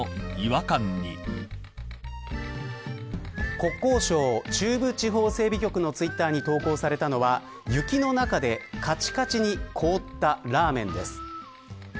国交省中部地方整備局のツイッターに投稿されたのは雪の中でかちこちに凍ったラーメンです。